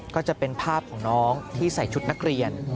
ก็จะเป็นภาพของน้องที่ใส่ชุดนักเรียน